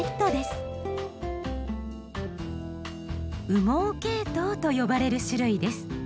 「羽毛ケイトウ」と呼ばれる種類です。